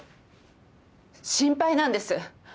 心配なんです。